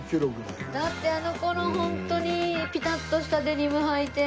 だってあの頃ホントにピタッとしたデニムはいて。